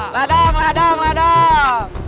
ledang ledang ledang